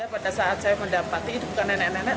pada saat saya mendapati itu bukan nenek nenek